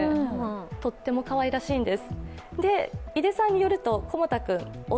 とってもかわいらしいんです。